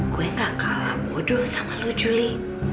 gue gak kalah bodoh sama lo juli